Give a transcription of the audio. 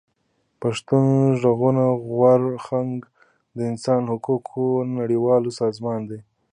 پښتون ژغورني غورځنګ د انساني حقوقو نړيوال سازمان دی.